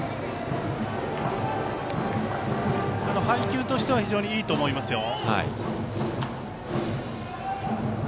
配球としては非常にいいと思います。